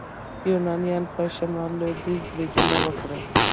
یونانیانو په شمال لویدیځ بریدونه وکړل.